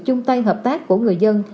chung tay hợp tác của người dân